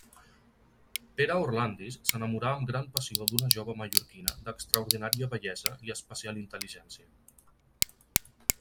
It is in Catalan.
Pere Orlandis s'enamorà amb gran passió d'una jove mallorquina d'extraordinària bellesa i especial intel·ligència.